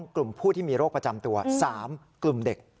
กลุ่มผู้ที่มีโรคประจำตัว๓กลุ่มเด็ก